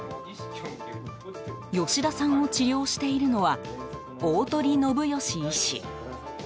吉田さんを治療しているのは鴻信義医師。